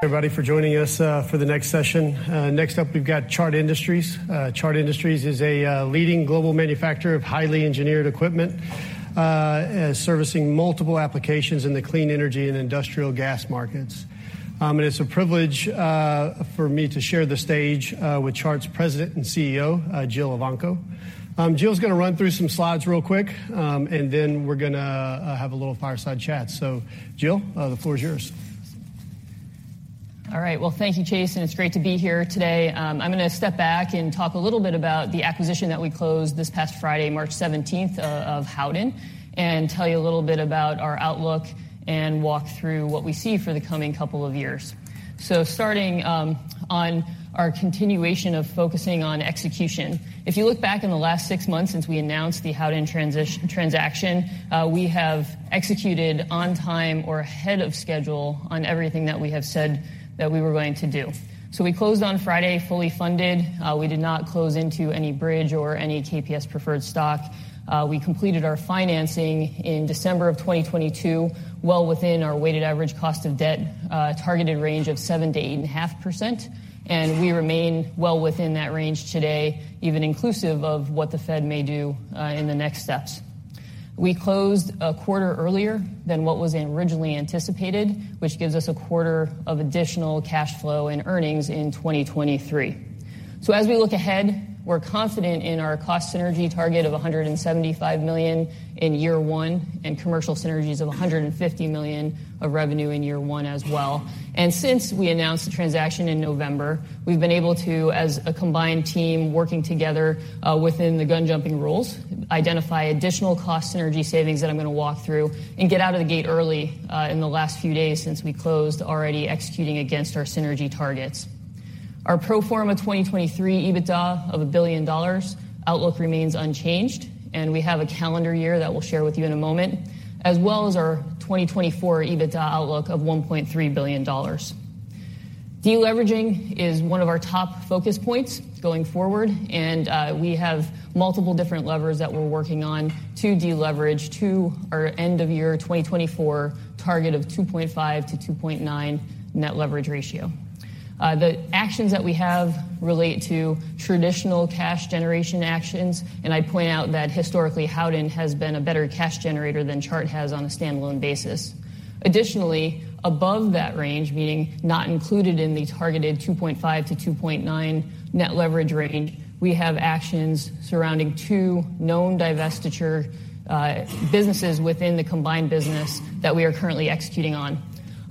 Everybody for joining us, for the next session. Next up, we've got Chart Industries. Chart Industries is a leading global manufacturer of highly engineered equipment, servicing multiple applications in the clean energy and industrial gas markets. And it's a privilege for me to share the stage with Chart's President and Chief Executive Officer, Jill Evanko. Jill's gonna run through some slides real quick, and then we're gonna have a little fireside chat. Jill, the floor is yours. All right. Well, thank you, Chase, and it's great to be here today. I'm gonna step back and talk a little bit about the acquisition that we closed this past Friday, March 17th, of Howden, and tell you a little bit about our outlook and walk through what we see for the coming two-years. Starting on our continuation of focusing on execution. If you look back in the last six-months since we announced the Howden transaction, we have executed on time or ahead of schedule on everything that we have said that we were going to do. We closed on Friday, fully funded. We did not close into any bridge or any KPS preferred stock. We completed our financing in December of 2022, well within our weighted average cost of debt, targeted range of 7%-8.5%. We remain well within that range today, even inclusive of what the Fed may do, in the next steps. We closed a quarter earlier than what was originally anticipated, which gives us a quarter of additional cash flow and earnings in 2023. As we look ahead, we're confident in our cost synergy target of $175 million in year one and commercial synergies of $150 million of revenue in year one as well. Since we announced the transaction in November, we've been able to, as a combined team working together, within the gun jumping rules, identify additional cost synergy savings that I'm gonna walk through and get out of the gate early, in the last few days since we closed, already executing against our synergy targets. Our pro forma 2023 EBITDA of $1 billion outlook remains unchanged, and we have a calendar year that we'll share with you in a moment, as well as our 2024 EBITDA outlook of $1.3 billion. Deleveraging is one of our top focus points going forward, and we have multiple different levers that we're working on to deleverage to our end of year 2024 target of 2.5-2.9 net leverage ratio. The actions that we have relate to traditional cash generation actions, and I'd point out that historically, Howden has been a better cash generator than Chart has on a standalone basis. Additionally, above that range, meaning not included in the targeted 2.5-2.9 net leverage range, we have actions surrounding two known divestiture businesses within the combined business that we are currently executing on.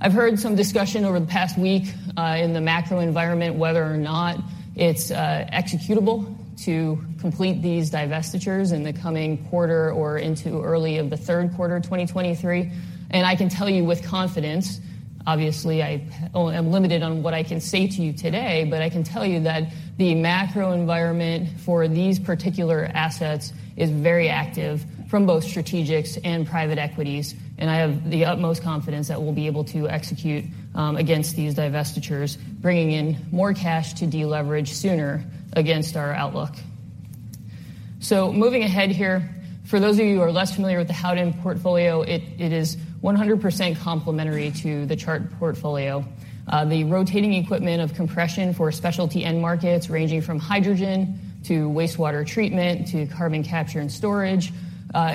I've heard some discussion over the past week in the macro environment, whether or not it's executable to complete these divestitures in the coming quarter or into early of the third quarter 2023. I can tell you with confidence, obviously, I am limited on what I can say to you today, but I can tell you that the macro environment for these particular assets is very active from both strategics and private equities, and I have the utmost confidence that we'll be able to execute against these divestitures, bringing in more cash to deleverage sooner against our outlook. Moving ahead here, for those of you who are less familiar with the Howden portfolio, it is 100% complementary to the Chart portfolio. The rotating equipment of compression for specialty end markets ranging from hydrogen to wastewater treatment to carbon capture and storage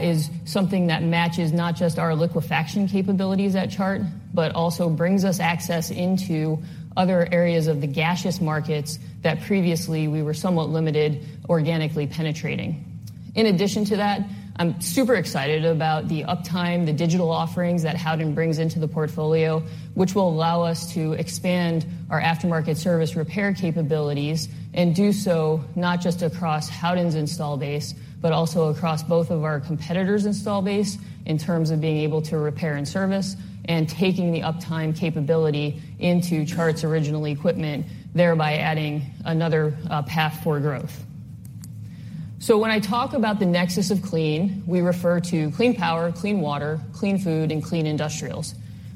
is something that matches not just our liquefaction capabilities at Chart, but also brings us access into other areas of the gaseous markets that previously we were somewhat limited organically penetrating. In addition to that, I'm super excited about the uptime, the digital offerings that Howden brings into the portfolio, which will allow us to expand our aftermarket service repair capabilities and do so not just across Howden's install base, but also across both of our competitors' install base in terms of being able to repair and service and taking the uptime capability into Chart's original equipment, thereby adding another path for growth. When I talk about the Nexus of Clean, we refer to clean power, clean water, clean food, and clean industrials.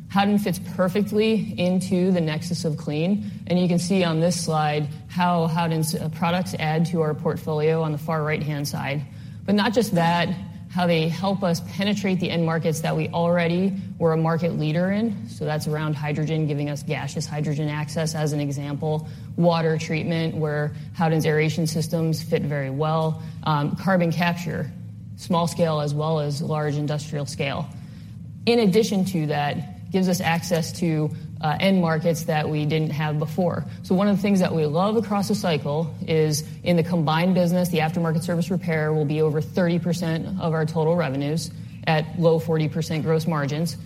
Howden fits perfectly into the Nexus of Clean, and you can see on this slide how Howden's products add to our portfolio on the far right-hand side. Not just that, how they help us penetrate the end markets that we already were a market leader in. That's around hydrogen, giving us gaseous hydrogen access as an example, water treatment, where Howden's aeration systems fit very well, carbon capture, small scale as well as large industrial scale. In addition to that, gives us access to end markets that we didn't have before. One of the things that we love across the cycle is in the combined business, the aftermarket service repair will be over 30% of our total revenues at low 40% gross margins.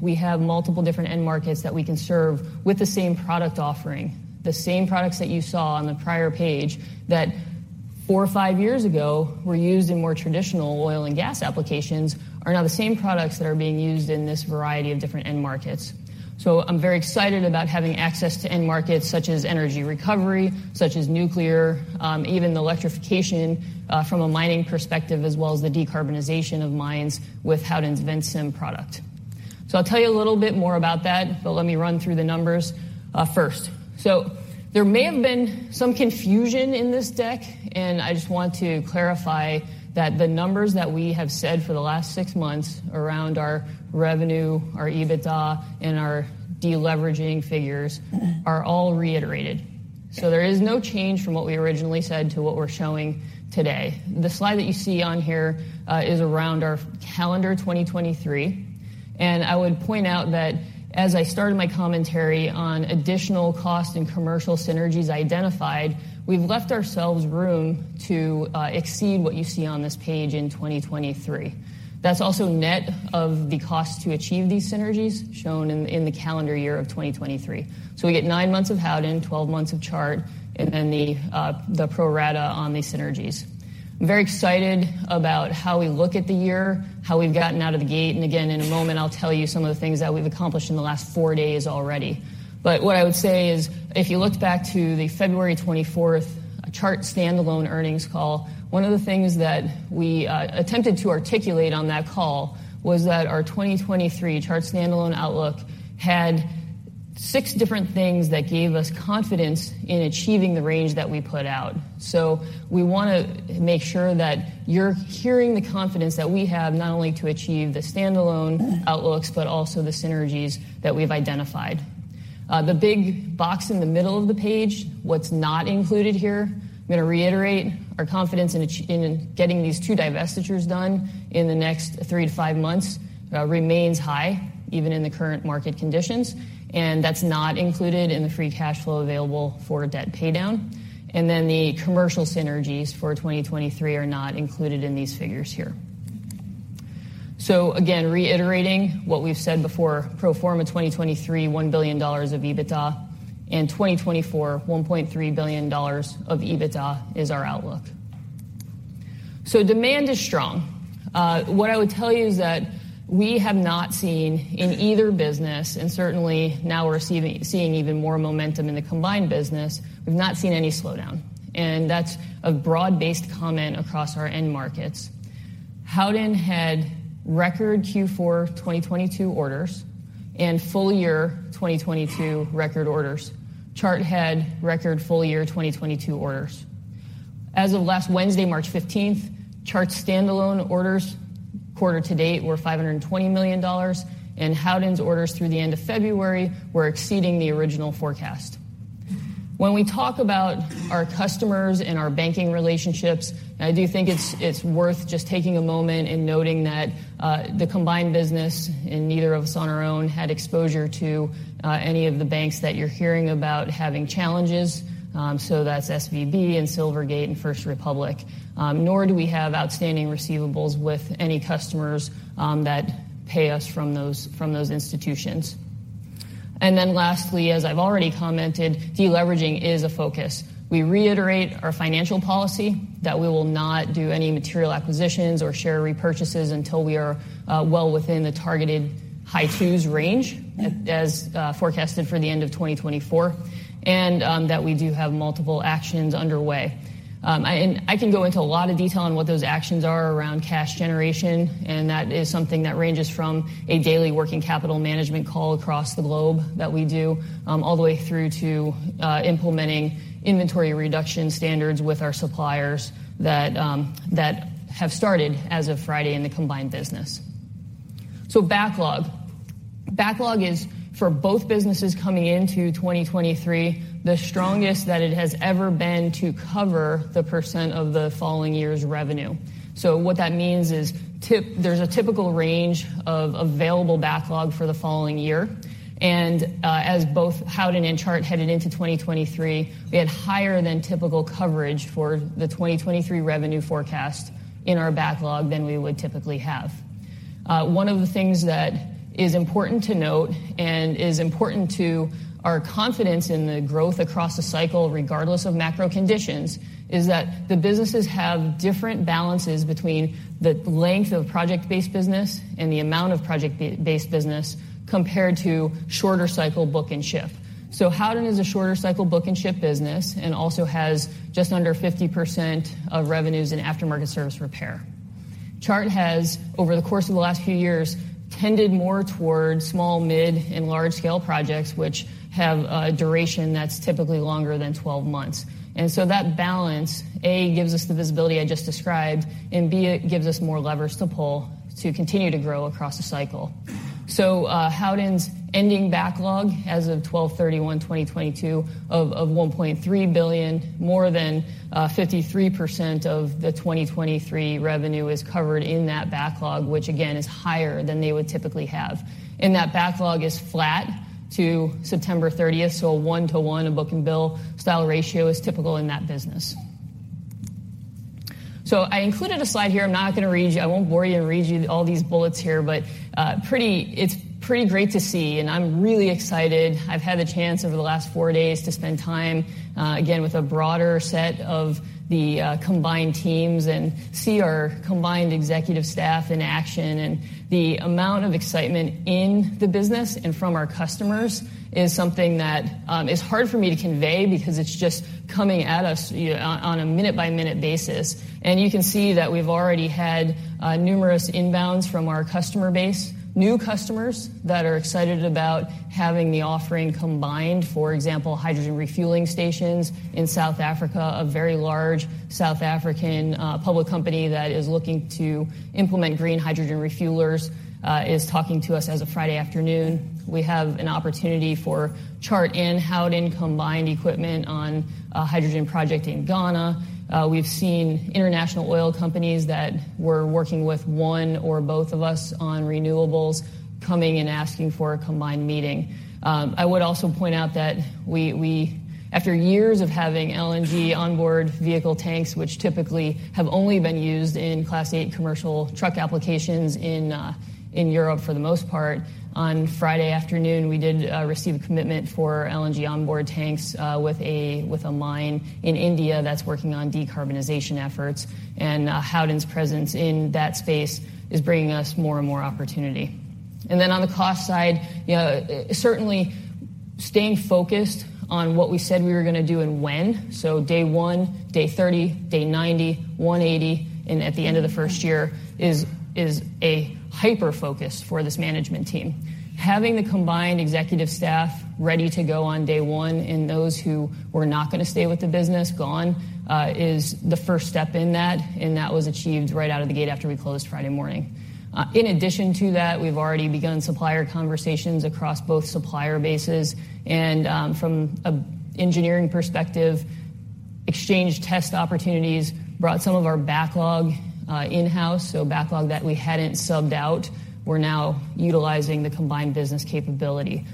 We have multiple different end markets that we can serve with the same product offering. The same products that you saw on the prior page that four or five-years ago were used in more traditional oil and gas applications are now the same products that are being used in this variety of different end markets. I'm very excited about having access to end markets such as energy recovery, such as nuclear, even the electrification from a mining perspective, as well as the decarbonization of mines with Howden's Ventsim product. I'll tell you a little bit more about that, but let me run through the numbers. First, there may have been some confusion in this deck, and I just want to clarify that the numbers that we have said for the last 6 months around our revenue, our EBITDA, and our deleveraging figures are all reiterated. There is no change from what we originally said to what we're showing today. The slide that you see on here is around our calendar 2023. I would point out that as I started my commentary on additional cost and commercial synergies identified, we've left ourselves room to exceed what you see on this page in 2023. That's also net of the cost to achieve these synergies shown in the calendar year of 2023. We get nine-months of Howden, 12 months of Chart, and then the pro rata on these synergies. I'm very excited about how we look at the year, how we've gotten out of the gate, and again, in a moment, I'll tell you some of the things that we've accomplished in the last four days already. What I would say is if you looked back to the February 24th Chart standalone earnings call, one of the things that we attempted to articulate on that call was that our 2023 Chart standalone outlook had six different things that gave us confidence in achieving the range that we put out. We wanna make sure that you're hearing the confidence that we have not only to achieve the standalone outlooks but also the synergies that we've identified. The big box in the middle of the page, what's not included here, I'm gonna reiterate our confidence in getting these two divestitures done in the next three to five months remains high, even in the current market conditions, and that's not included in the free cash flow available for debt paydown. The commercial synergies for 2023 are not included in these figures here. Again, reiterating what we've said before, pro forma 2023, $1 billion of EBITDA. In 2024, $1.3 billion of EBITDA is our outlook. Demand is strong. What I would tell you is that we have not seen in either business, and certainly now we're seeing even more momentum in the combined business, we've not seen any slowdown. That's a broad-based comment across our end markets. Howden had record Q4 2022 orders and full year 2022 record orders. Chart had record full year 2022 orders. As of last Wednesday, March 15th, Chart standalone orders quarter to date were $520 million, and Howden's orders through the end of February were exceeding the original forecast. When we talk about our customers and our banking relationships, I do think it's worth just taking a moment and noting that the combined business and neither of us on our own had exposure to any of the banks that you're hearing about having challenges, so that's SVB and Silvergate and First Republic. Nor do we have outstanding receivables with any customers that pay us from those, from those institutions. Lastly, as I've already commented, deleveraging is a focus. We reiterate our financial policy that we will not do any material acquisitions or share repurchases until we are well within the targeted high twos range as forecasted for the end of 2024, and that we do have multiple actions underway. I can go into a lot of detail on what those actions are around cash generation, and that is something that ranges from a daily working capital management call across the globe that we do, all the way through to implementing inventory reduction standards with our suppliers that have started as of Friday in the combined business. Backlog is for both businesses coming into 2023, the strongest that it has ever been to cover the % of the following year's revenue. What that means is there's a typical range of available backlog for the following year. As both Howden and Chart headed into 2023, we had higher than typical coverage for the 2023 revenue forecast in our backlog than we would typically have. One of the things that is important to note and is important to our confidence in the growth across the cycle, regardless of macro conditions, is that the businesses have different balances between the length of project-based business and the amount of project based business compared to shorter cycle book and ship. Howden is a shorter cycle book and ship business and also has just under 50% of revenues in aftermarket service repair. Chart has, over the course of the last few years, tended more towards small, mid, and large scale projects, which have a duration that's typically longer than 12 months. That balance, A, gives us the visibility I just described, and B, it gives us more leverage to pull to continue to grow across the cycle. Howden's ending backlog as of 12/31/2022 of $1.3 billion, more than 53% of the 2023 revenue is covered in that backlog, which again, is higher than they would typically have. That backlog is flat to September 30th. A one-to-one book and bill style ratio is typical in that business. I included a slide here. I'm not gonna read you. I won't bore you and read you all these bullets here. It's pretty great to see, I'm really excited. I've had the chance over the last four days to spend time again, with a broader set of the combined teams and see our combined executive staff in action. The amount of excitement in the business and from our customers is something that is hard for me to convey because it's just coming at us on a minute-by-minute basis. You can see that we've already had numerous inbounds from our customer base. New customers that are excited about having the offering combined. For example, hydrogen refueling stations in South Africa, a very large South African public company that is looking to implement green hydrogen refuelers, is talking to us as of Friday afternoon. We have an opportunity for Chart in Howden combined equipment on a hydrogen project in Ghana. We've seen international oil companies that were working with one or both of us on renewables coming and asking for a combined meeting. I would also point out that we, after years of having LNG onboard vehicle tanks, which typically have only been used in Class eight commercial truck applications in Europe, for the most part, on Friday afternoon, we did receive a commitment for LNG onboard tanks with a mine in India that's working on decarbonization efforts. Howden's presence in that space is bringing us more and more opportunity. On the cost side, you know, certainly staying focused on what we said we were gonna do and when. Day one, day 30, day 90, 180, and at the end of the first year is a hyper-focus for this management team. Having the combined executive staff ready to go on day one, and those who were not gonna stay with the business gone, is the first step in that. That was achieved right out of the gate after we closed Friday morning. In addition to that, we've already begun supplier conversations across both supplier bases and, from an engineering perspective, exchanged test opportunities, brought some of our backlog in-house, so backlog that we hadn't subbed out, we're now utilizing the combined business capability.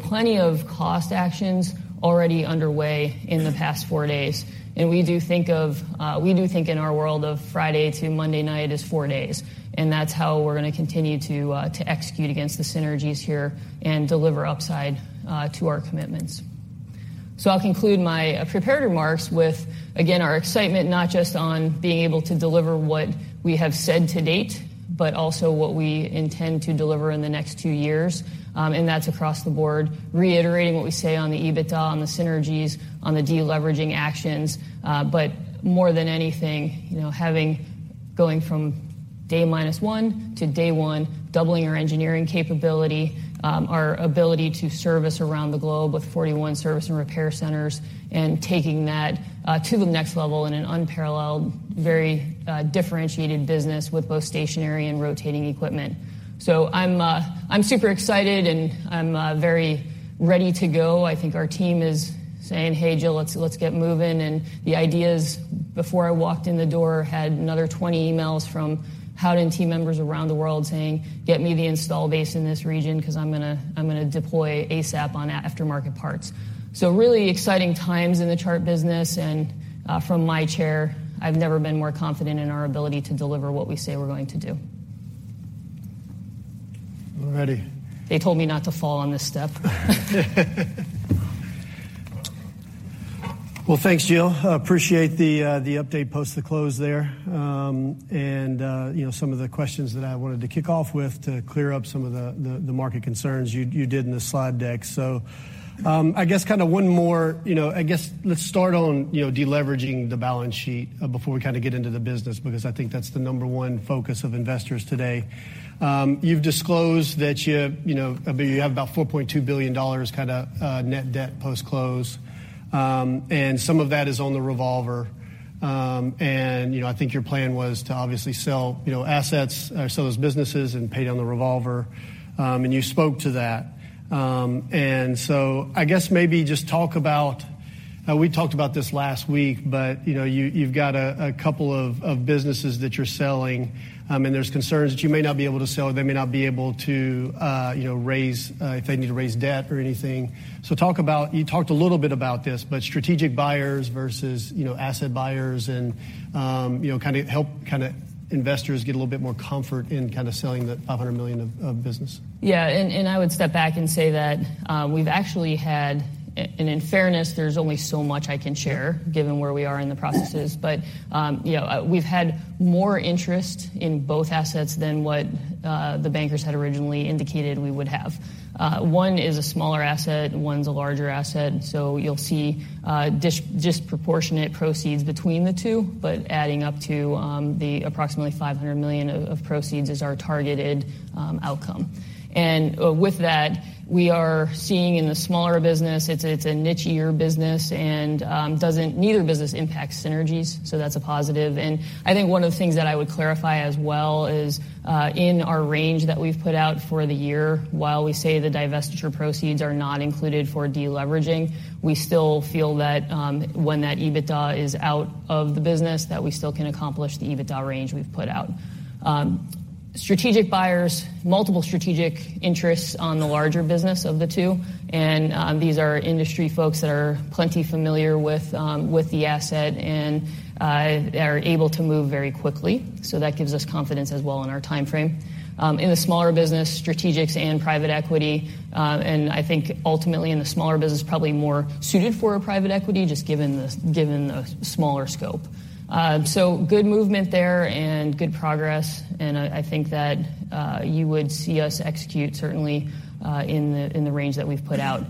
Plenty of cost actions already underway in the past four days. We do think in our world of Friday to Monday night is four days, and that's how we're gonna continue to execute against the synergies here and deliver upside to our commitments. I'll conclude my prepared remarks with, again, our excitement, not just on being able to deliver what we have said to date, but also what we intend to deliver in the next two years. That's across the board, reiterating what we say on the EBITDA, on the synergies, on the deleveraging actions, but more than anything, you know, going from day minus one to day one, doubling our engineering capability, our ability to service around the globe with 41 service and repair centers and taking that to the next level in an unparalleled, very, differentiated business with both stationary and rotating equipment. I'm super excited, I'm very ready to go. I think our team is saying, "Hey, Jill, let's get moving." The ideas before I walked in the door, had another 20 emails from Howden team members around the world saying, "Get me the install base in this region because I'm gonna deploy ASAP on aftermarket parts." Really exciting times in the Chart business. From my chair, I've never been more confident in our ability to deliver what we say we're going to do. All righty. They told me not to fall on this step. Well, thanks, Jill. Appreciate the update post the close there. You know, some of the questions that I wanted to kick off with to clear up some of the market concerns you did in the slide deck. I guess kinda one more, you know, I guess let's start on, you know, deleveraging the balance sheet before we kinda get into the business, because I think that's the number one focus of investors today. You've disclosed that you know, I believe you have about $4.2 billion kinda net debt post-close. Some of that is on the revolver. You know, I think your plan was to obviously sell, you know, assets or sell those businesses and pay down the revolver. You spoke to that. I guess maybe just talk about, we talked about this last week, but, you know, you've got a couple of businesses that you're selling, and there's concerns that you may not be able to sell or they may not be able to, you know, raise, if they need to raise debt or anything. Talk about, you talked a little bit about this, but strategic buyers versus, you know, asset buyers and, you know, kinda help investors get a little bit more comfort in kinda selling the $500 million of business. Yeah. I would step back and say that we've actually had. In fairness, there's only so much I can share given where we are in the processes. You know, we've had more interest in both assets than what the bankers had originally indicated we would have. One is a smaller asset, one's a larger asset, so you'll see disproportionate proceeds between the two. Adding up to the approximately $500 million of proceeds is our targeted outcome. With that, we are seeing in the smaller business, it's a nichier business and neither business impacts synergies, so that's a positive. I think one of the things that I would clarify as well is, in our range that we've put out for the year, while we say the divestiture proceeds are not included for deleveraging, we still feel that when that EBITDA is out of the business, that we still can accomplish the EBITDA range we've put out. Strategic buyers, multiple strategic interests on the larger business of the two. These are industry folks that are plenty familiar with the asset and are able to move very quickly. That gives us confidence as well in our timeframe. In the smaller business, strategics and private equity, I think ultimately in the smaller business, probably more suited for a private equity, just given the smaller scope. Good movement there and good progress, and I think that you would see us execute certainly in the range that we've put out.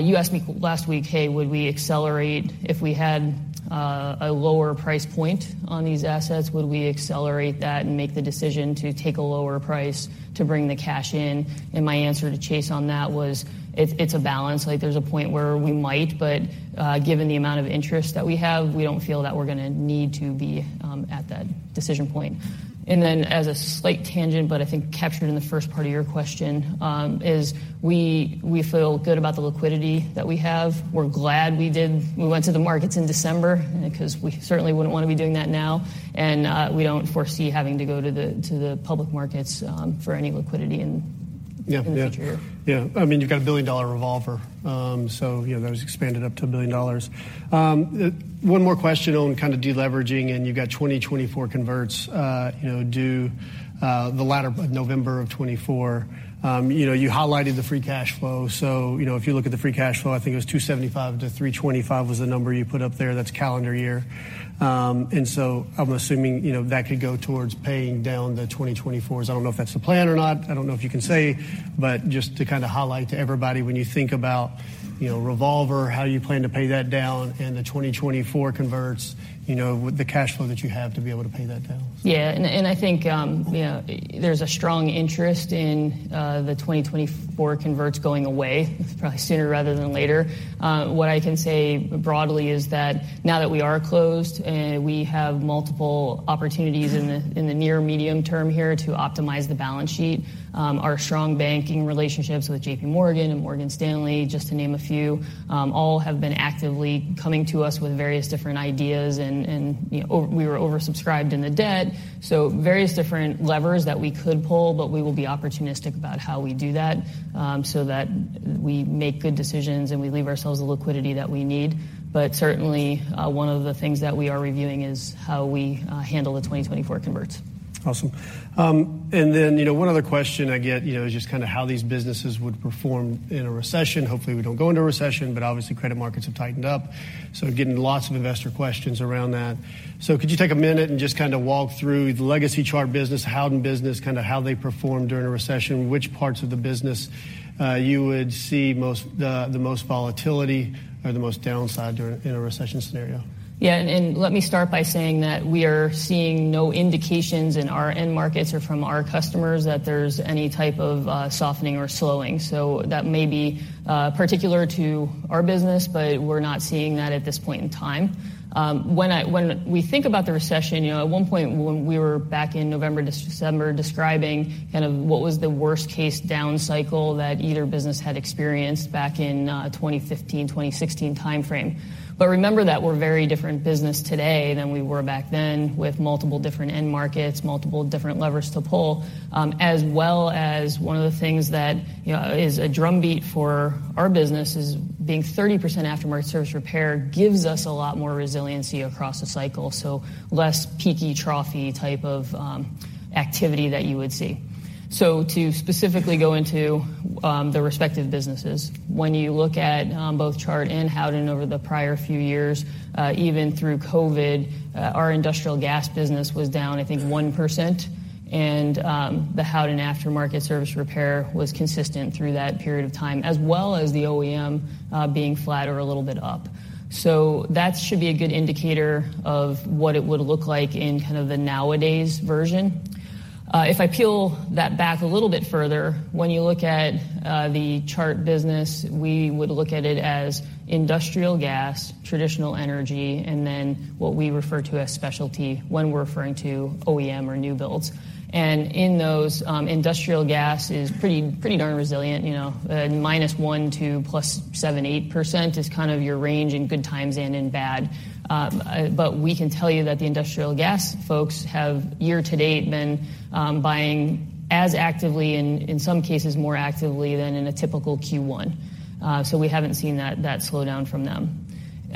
You asked me last week, "Hey, would we accelerate if we had a lower price point on these assets? Would we accelerate that and make the decision to take a lower price to bring the cash in?" My answer to Chase on that was, it's a balance. Like, there's a point where we might, but given the amount of interest that we have, we don't feel that we're gonna need to be at that decision point. As a slight tangent, but I think captured in the first part of your question, is we feel good about the liquidity that we have. We're glad we went to the markets in December because we certainly wouldn't wanna be doing that now. We don't foresee having to go to the public markets, for any liquidity in the near term. Yeah. Yeah. Yeah. I mean, you've got a billion-dollar revolver, so, you know, that was expanded up to $1 billion. One more question on kind of deleveraging, and you've got 2024 converts, you know, due, the latter November of 2024. You know, you highlighted the free cash flow. You know, if you look at the free cash flow, I think it was $275 million-$325 million was the number you put up there. That's calendar year. I'm assuming, you know, that could go towards paying down the 2024s. I don't know if that's the plan or not. I don't know if you can say, but just to kind of highlight to everybody when you think about, you know, revolver how you plan to pay that down and the 2024 converts, you know, with the cash flow that you have to be able to pay that down. Yeah. I think, you know, there's a strong interest in the 2024 converts going away probably sooner rather than later. What I can say broadly is that now that we are closed and we have multiple opportunities in the, in the near medium term here to optimize the balance sheet, our strong banking relationships with J.P. Morgan and Morgan Stanley, just to name a few, all have been actively coming to us with various different ideas. You know, we were oversubscribed in the debt, so various different levers that we could pull, but we will be opportunistic about how we do that, so that we make good decisions, and we leave ourselves the liquidity that we need. Certainly, one of the things that we are reviewing is how we handle the 2024 converts. Awesome. You know, one other question I get, you know, is just kind of how these businesses would perform in a recession. Hopefully, we don't go into a recession, but obviously credit markets have tightened up, so getting lots of investor questions around that. Could you take a minute and just kind of walk through the legacy Chart business, Howden business, kind of how they perform during a recession, which parts of the business you would see the most volatility or the most downside in a recession scenario? Yeah. Let me start by saying that we are seeing no indications in our end markets or from our customers that there's any type of softening or slowing. That may be particular to our business, but we're not seeing that at this point in time. When we think about the recession, you know, at one point when we were back in November, December, describing kind of what was the worst-case down cycle that either business had experienced back in 2015, 2016 timeframe. Remember that we're very different business today than we were back then with multiple different end markets, multiple different levers to pull, as well as one of the things that, you know, is a drumbeat for our business is being 30% aftermarket service repair gives us a lot more resiliency across the cycle. Less peaky trough-y type of activity that you would see. To specifically go into the respective businesses, when you look at both Chart and Howden over the prior few years, even through COVID, our industrial gas business was down, I think, 1%. The Howden aftermarket service repair was consistent through that period of time, as well as the OEM being flat or a little bit up. That should be a good indicator of what it would look like in kind of the nowadays version. If I peel that back a little bit further, when you look at the Chart business, we would look at it as industrial gas, traditional energy, and then what we refer to as specialty when we're referring to OEM or new builds. In those, industrial gas is pretty darn resilient. You know, -1% to +7%, 8% is kind of your range in good times and in bad. We can tell you that the industrial gas folks have year-to-date been buying as actively, in some cases more actively than in a typical Q1. We haven't seen that slow down from them.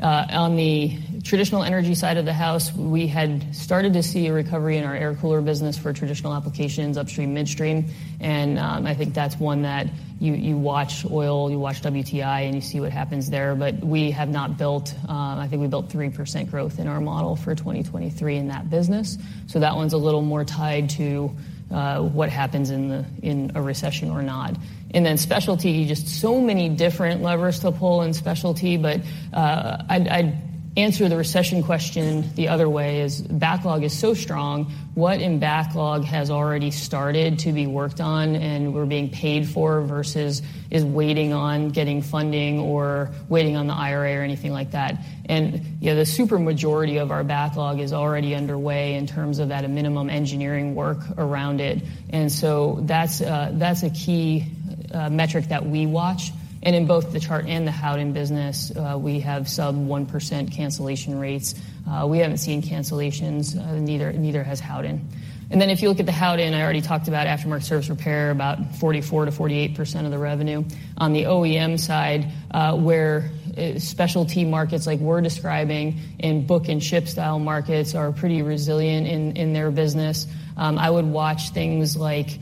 On the traditional energy side of the house, we had started to see a recovery in our air cooler business for traditional applications, upstream, midstream. I think that's one that you watch oil, you watch WTI, and you see what happens there. We have not built, I think we built 3% growth in our model for 2023 in that business. That one's a little more tied to what happens in a recession or not. Specialty, just so many different levers to pull in specialty. I'd answer the recession question the other way is backlog is so strong. What in backlog has already started to be worked on and we're being paid for versus is waiting on getting funding or waiting on the IRA or anything like that. You know, the super majority of our backlog is already underway in terms of that a minimum engineering work around it. That's a key metric that we watch. In both the Chart and the Howden business, we have sub 1% cancellation rates. We haven't seen cancellations, neither has Howden. If you look at the Howden, I already talked about aftermarket service repair, about 44%-48% of the revenue. On the OEM side, where specialty markets like we're describing in book and ship style markets are pretty resilient in their business. I would watch things like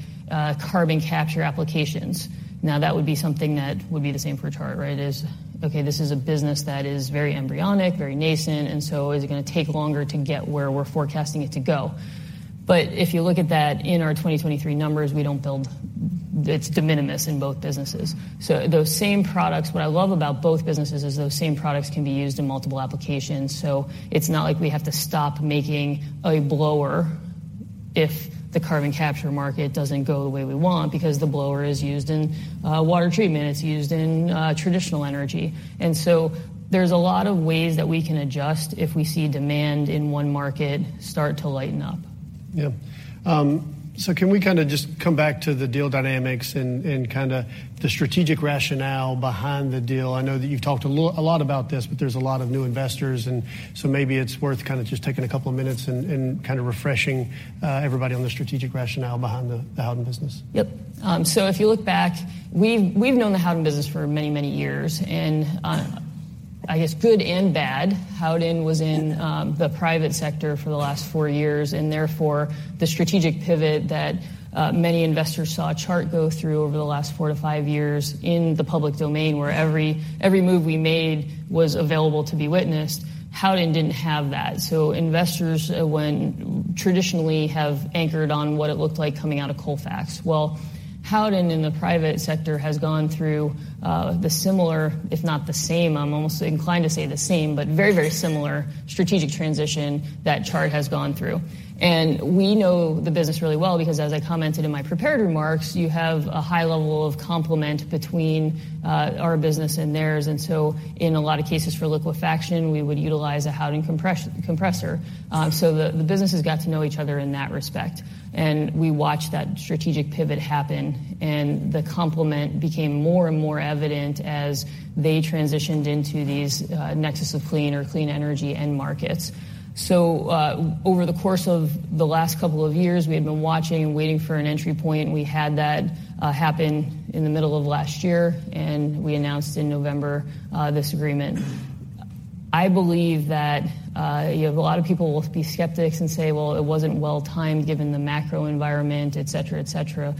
carbon capture applications. Now, that would be something that would be the same for Chart, right? Okay, this is a business that is very embryonic, very nascent, is it gonna take longer to get where we're forecasting it to go? If you look at that in our 2023 numbers, It's de minimis in both businesses. Those same products. What I love about both businesses is those same products can be used in multiple applications. It's not like we have to stop making a blower if the carbon capture market doesn't go the way we want because the blower is used in water treatment, it's used in traditional energy. There's a lot of ways that we can adjust if we see demand in one market start to lighten up. Yeah. Can we kinda just come back to the deal dynamics and kinda the strategic rationale behind the deal? I know that you've talked a lot about this, but there's a lot of new investors, maybe it's worth kinda just taking a couple of minutes and kinda refreshing everybody on the strategic rationale behind the Howden business. Yep. If you look back, we've known the Howden business for many, many years. I guess good and bad. Howden was in the private sector for the last four-years, and therefore, the strategic pivot that many investors saw Chart go through over the last four to five-years in the public domain where every move we made was available to be witnessed, Howden didn't have that. Investors when traditionally have anchored on what it looked like coming out of Colfax. Well, Howden in the private sector has gone through the similar, if not the same, I'm almost inclined to say the same, but very, very similar strategic transition that Chart has gone through. We know the business really well because as I commented in my prepared remarks, you have a high level of complement between our business and theirs. In a lot of cases, for liquefaction, we would utilize a Howden compressor. The businesses got to know each other in that respect. We watched that strategic pivot happen, and the complement became more and more evident as they transitioned into these Nexus of Clean or clean energy end markets. Over the course of the last couple of years, we have been watching and waiting for an entry point. We had that happen in the middle of last year, and we announced in November this agreement. I believe that you have a lot of people will be skeptics and say, "Well, it wasn't well-timed given the macro environment," etc., etc..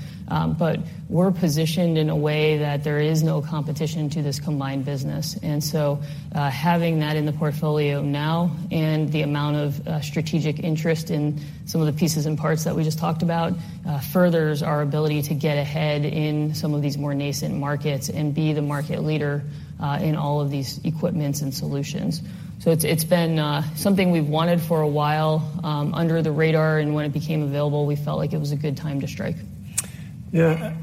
We're positioned in a way that there is no competition to this combined business. Having that in the portfolio now and the amount of strategic interest in some of the pieces and parts that we just talked about, furthers our ability to get ahead in some of these more nascent markets and be the market leader in all of these equipment and solutions. It's been something we've wanted for a while under the radar, and when it became available, we felt like it was a good time to strike. Yeah.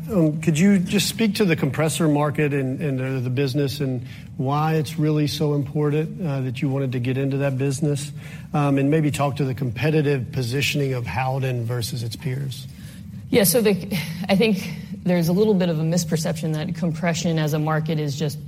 Could you just speak to the compressor market and the business and why it's really so important that you wanted to get into that business? Maybe talk to the competitive positioning of Howden versus its peers. I think there's a little bit of a misperception that compression as a market is just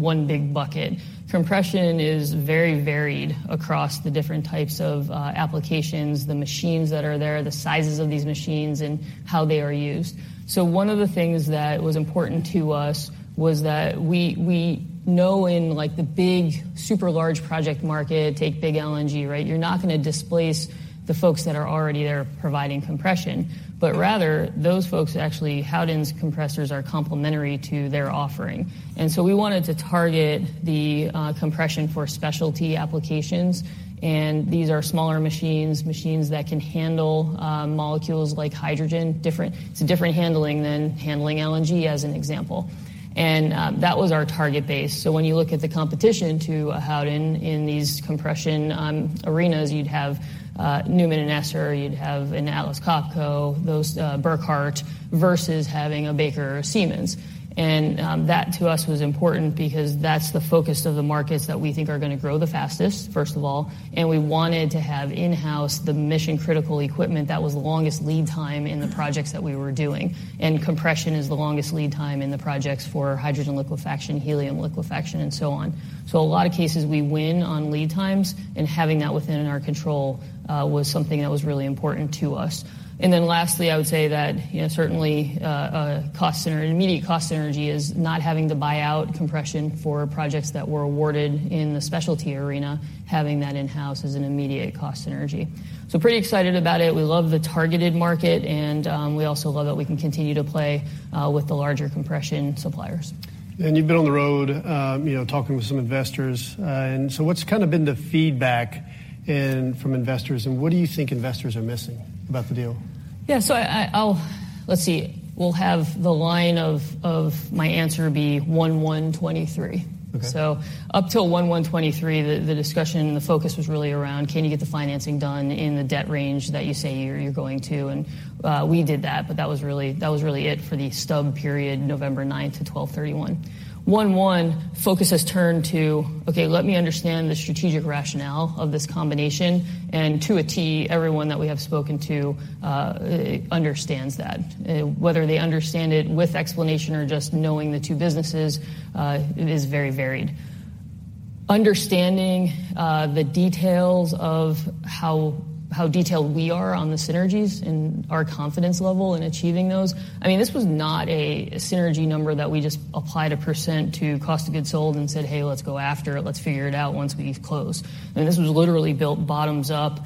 one big bucket. Compression is very varied across the different types of applications, the machines that are there, the sizes of these machines, and how they are used. One of the things that was important to us was that we know in, like, the big, super large project market, take big LNG, right? You're not gonna displace the folks that are already there providing compression, but rather, those folks actually, Howden's compressors are complementary to their offering. We wanted to target the compression for specialty applications, and these are smaller machines that can handle molecules like hydrogen, it's a different handling than handling LNG as an example. That was our target base. When you look at the competition to Howden in these compression arenas, you'd have NEUMAN & ESSER, you'd have an Atlas Copco, those Burckhardt, versus having a Baker or Siemens. That to us was important because that's the focus of the markets that we think are gonna grow the fastest, first of all, and we wanted to have in-house the mission-critical equipment that was the longest lead time in the projects that we were doing, and compression is the longest lead time in the projects for hydrogen liquefaction, helium liquefaction, and so on. A lot of cases, we win on lead times, and having that within our control was something that was really important to us. Lastly, I would say that, you know, certainly, cost synergy, immediate cost synergy is not having to buy out compression for projects that were awarded in the specialty arena. Having that in-house is an immediate cost synergy. Pretty excited about it. We love the targeted market, and we also love that we can continue to play with the larger compression suppliers. You've been on the road, you know, talking with some investors. What's kind of been the feedback from investors, and what do you think investors are missing about the deal? Yeah. Let's see. We'll have the line of my answer be 1/1/2023. Okay. Up till 1/1/2023, the discussion, the focus was really around, can you get the financing done in the debt range that you say you're going to? We did that, but that was really it for the stub period, November 9th to 12/31. 1/1, focus has turned to, "Okay, let me understand the strategic rationale of this combination." To a T, everyone that we have spoken to understands that. Whether they understand it with explanation or just knowing the two businesses, it is very varied. Understanding the details of how detailed we are on the synergies and our confidence level in achieving those, I mean, this was not a synergy number that we just applied a % to cost of goods sold and said, "Hey, let's go after it. Let's figure it out once we've closed." I mean, this was literally built bottoms up,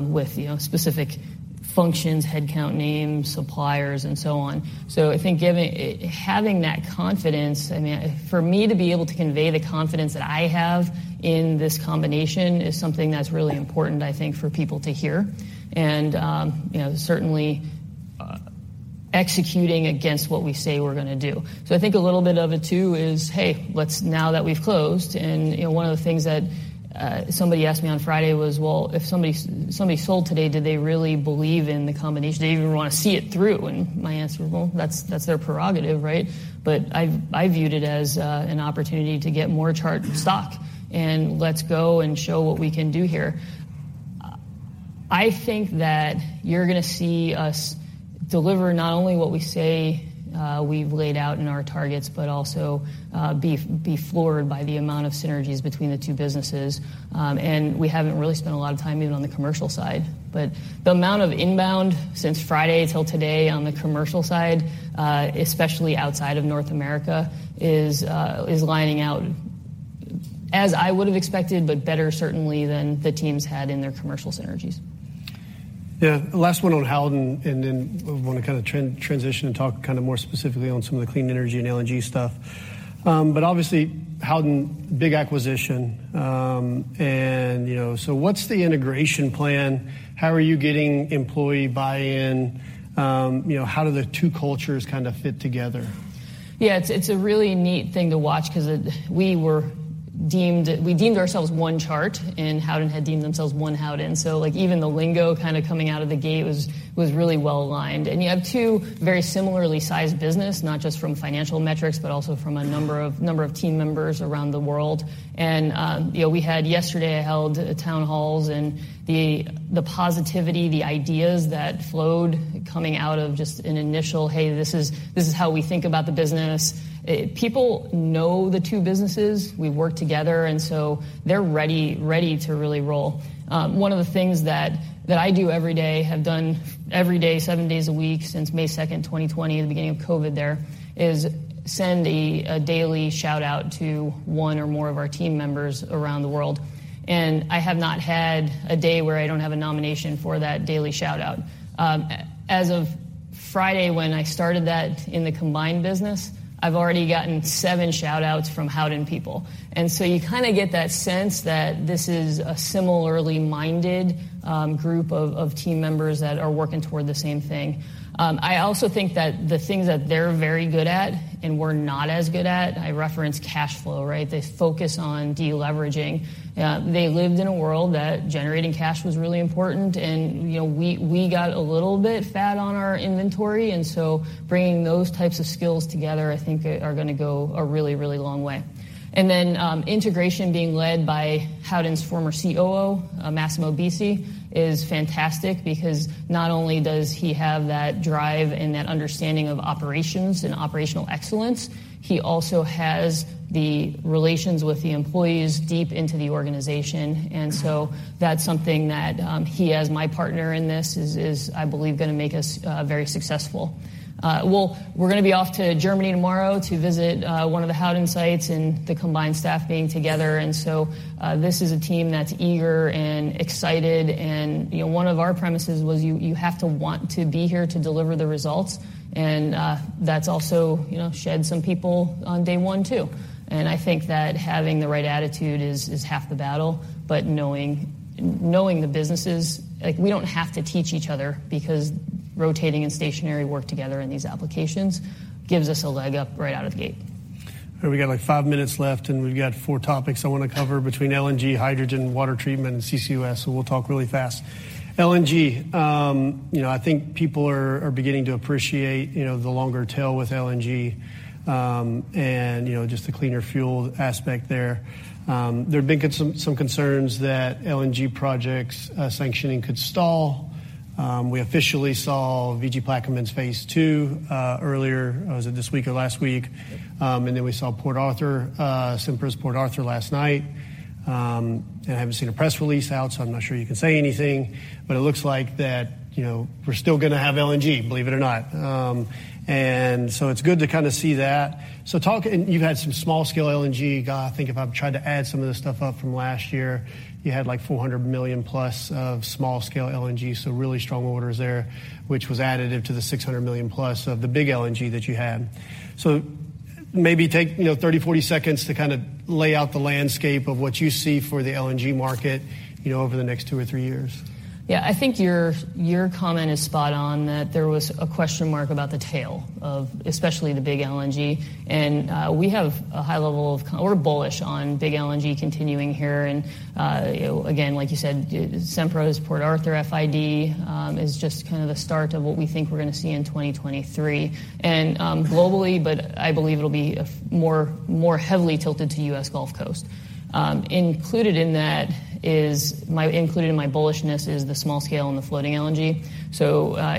with, you know, specific functions, head count names, suppliers, and so on. I think having that confidence, I mean, for me to be able to convey the confidence that I have in this combination is something that's really important, I think, for people to hear, and, you know, certainly, executing against what we say we're gonna do. I think a little bit of it too is, hey, let's Now that we've closed, and, you know, one of the things that somebody asked me on Friday was, "Well, if somebody sold today, do they really believe in the combination? Do they even wanna see it through?" My answer was, "Well, that's their prerogative, right?" I viewed it as an opportunity to get more Chart stock, and let's go and show what we can do here. I think that you're gonna see us deliver not only what we say, we've laid out in our targets but also be floored by the amount of synergies between the two businesses. We haven't really spent a lot of time even on the commercial side. The amount of inbound since Friday till today on the commercial side, especially outside of North America, is lining out as I would have expected, but better certainly than the teams had in their commercial synergies. Yeah. Last one on Howden, and then I wanna kind of transition and talk kind of more specifically on some of the clean energy and LNG stuff. obviously, Howden, big acquisition. you know, what's the integration plan? How are you getting employee buy-in? you know, how do the two cultures kind of fit together? It's a really neat thing to watch 'cause we deemed ourselves OneChart, and Howden had deemed themselves one Howden. Like, even the lingo kind of coming out of the gate was really well aligned. You have two very similarly sized business, not just from financial metrics, but also from a number of team members around the world. You know, we had yesterday, I held town halls, and the positivity, the ideas that flowed coming out of just an initial, "Hey, this is how we think about the business." People know the two businesses. We work together, they're ready to really roll. One of the things that I do every day, have done every day, seven days a week since May 2, 2020, the beginning of COVID there, is send a daily shout-out to one or more of our team members around the world. I have not had a day where I don't have a nomination for that daily shout-out. As of Friday, when I started that in the combined business, I've already gotten seven shout-outs from Howden people. So you kinda get that sense that this is a similarly minded group of team members that are working toward the same thing. I also think that the things that they're very good at and we're not as good at, I reference cash flow, right? They focus on deleveraging. They lived in a world that generating cash was really important and, you know, we got a little bit fat on our inventory. Bringing those types of skills together, I think are gonna go a really, really long way. Integration being led by Howden's former Chief Operating Officer, Massimo Bizzi, is fantastic because not only does he have that drive and that understanding of operations and operational excellence, he also has the relations with the employees deep into the organization. That's something that he as my partner in this is, I believe, gonna make us very successful. Well, we're gonna be off to Germany tomorrow to visit one of the Howden sites and the combined staff being together. This is a team that's eager and excited and, you know, one of our premises was you have to want to be here to deliver the results. That's also, you know, shed some people on day one too. I think that having the right attitude is half the battle. Knowing the businesses, like, we don't have to teach each other because rotating and stationary work together in these applications gives us a leg up right out of the gate. We got, like, five minutes left, and we've got four topics I wanna cover between LNG, hydrogen, water treatment, and CCUS. We'll talk really fast. LNG. You know, I think people are beginning to appreciate, you know, the longer tail with LNG, and, you know, just the cleaner fuel aspect there. There have been some concerns that LNG projects sanctioning could stall. We officially saw VG Plaquemines Phase Two earlier, was it this week or last week? We saw Port Arthur, Sempra's Port Arthur last night. I haven't seen a press release out, so I'm not sure you can say anything, but it looks like that, you know, we're still gonna have LNG, believe it or not. It's good to kind of see that. You've had some small scale LNG. I think if I've tried to add some of this stuff up from last year, you had, like, $400 million plus of small scale LNG, so really strong orders there, which was additive to the $600 million plus of the big LNG that you had. Maybe take, you know, 30, 40 seconds to kind of lay out the landscape of what you see for the LNG market, you know, over the next two or three years. Yeah. I think your comment is spot on, that there was a question mark about the tail of especially the big LNG. We have a high level of We're bullish on big LNG continuing here. You know, again, like you said, Sempra's Port Arthur FID is just kind of the start of what we think we're gonna see in 2023. Globally, but I believe it'll be more heavily tilted to U.S. Gulf Coast. Included in that is included in my bullishness is the small scale and the floating LNG.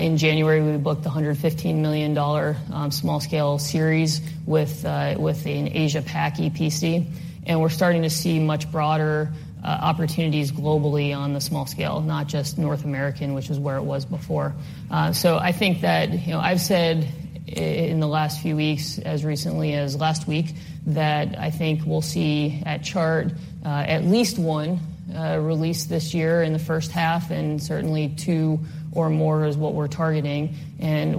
In January, we booked a $115 million small scale series with an Asia Pac EPC, and we're starting to see much broader opportunities globally on the small scale, not just North American, which is where it was before. I think that, you know, I've said in the last few weeks, as recently as last week, that I think we'll see at Chart, at least one release this year in the first half, and certainly two or more is what we're targeting.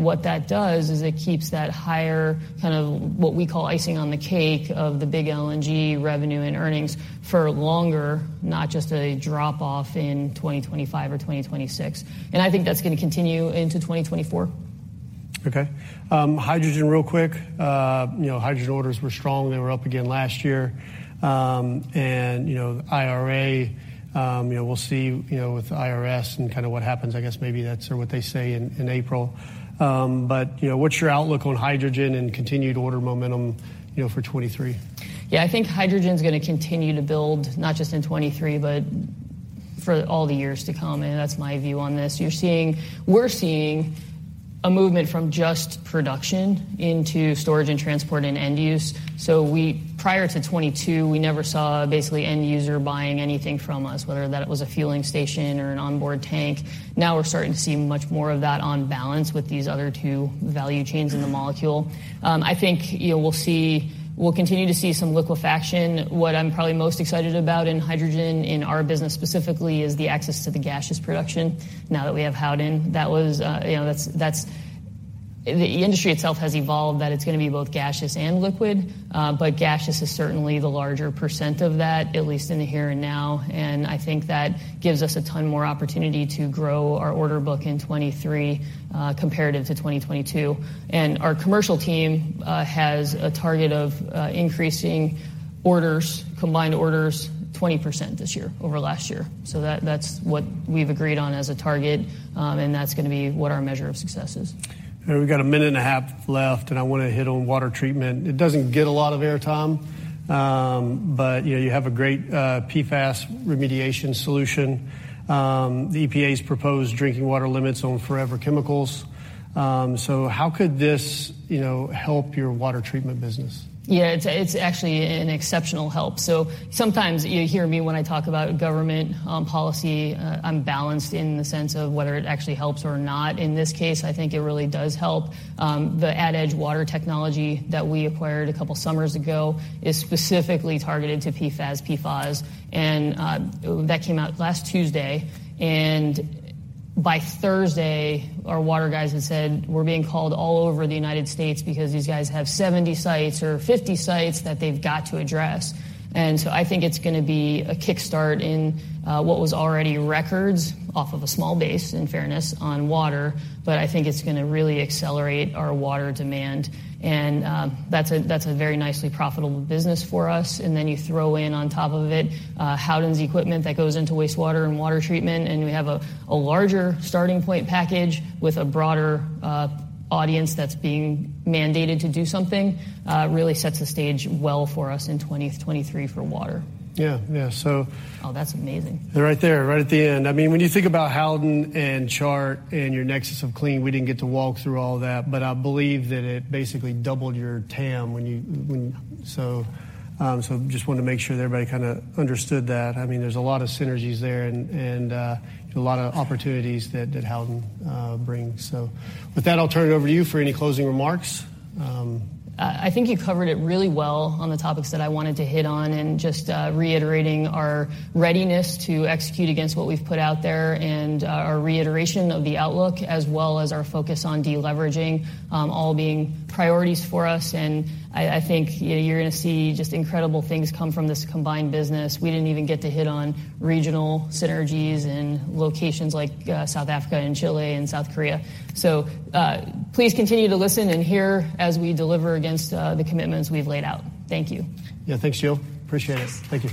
What that does is it keeps that higher kind of what we call icing on the cake of the big LNG revenue and earnings for longer, not just a drop off in 2025 or 2026. I think that's gonna continue into 2024. Okay. hydrogen real quick. you know, hydrogen orders were strong. They were up again last year. you know, IRA, you know, we'll see, you know, with IRS and kinda what happens. I guess maybe that's what they say in April. you know, what's your outlook on hydrogen and continued order momentum, you know, for 23? Yeah. I think hydrogen's gonna continue to build, not just in 23, but for all the years to come. That's my view on this. We're seeing a movement from just production into storage and transport and end use. Prior to 22, we never saw basically end user buying anything from us, whether that it was a fueling station or an onboard tank. Now we're starting to see much more of that on balance with these other two value chains in the molecule. I think, you know, we'll continue to see some liquefaction. What I'm probably most excited about in hydrogen in our business specifically is the access to the gaseous production now that we have Howden. That was, you know, that's the industry itself has evolved that it's gonna be both gaseous and liquid. Gaseous is certainly the larger percent of that, at least in the here and now. I think that gives us a ton more opportunity to grow our order book in 2023, comparative to 2022. Our commercial team has a target of increasing orders, combined orders 20% this year over last year. That's what we've agreed on as a target, and that's gonna be what our measure of success is. All right. We've got a minute and a half left. I want to hit on water treatment. It doesn't get a lot of air time. You know, you have a great PFAS remediation solution. The EPA's proposed drinking water limits on forever chemicals. How could this, you know, help your water treatment business? Yeah. It's, it's actually an exceptional help. Sometimes you hear me when I talk about government policy, I'm balanced in the sense of whether it actually helps or not. In this case, I think it really does help. The AdEdge water technology that we acquired a couple summers ago is specifically targeted to PFAS, PFOS. That came out last Tuesday, and by Thursday, our water guys had said, "We're being called all over the United States because these guys have 70 sites or 50 sites that they've got to address." I think it's gonna be a kickstart in what was already records off of a small base, in fairness, on water, but I think it's gonna really accelerate our water demand. That's a, that's a very nicely profitable business for us. You throw in on top of it, Howden's equipment that goes into wastewater and water treatment, and we have a larger starting point package with a broader, audience that's being mandated to do something, really sets the stage well for us in 2023 for water. Yeah. Yeah. Oh, that's amazing. Right there, right at the end. I mean, when you think about Howden and Chart and your Nexus of Clean, we didn't get to walk through all that. I believe that it basically doubled your TAM. Just wanted to make sure that everybody kind of understood that. I mean, there's a lot of synergies there and a lot of opportunities that Howden brings. With that, I'll turn it over to you for any closing remarks. I think you covered it really well on the topics that I wanted to hit on, and just reiterating our readiness to execute against what we've put out there and our reiteration of the outlook as well as our focus on de-leveraging, all being priorities for us. I think, you know, you're gonna see just incredible things come from this combined business. We didn't even get to hit on regional synergies in locations like South Africa and Chile and South Korea. Please continue to listen and hear as we deliver against the commitments we've laid out. Thank you. Yeah. Thanks, Jill. Appreciate it. Thank you.